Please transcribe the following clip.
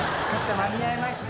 間に合いました。